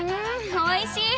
おいしい！